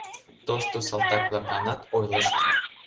Тошто салтак-влакланат ойлышт: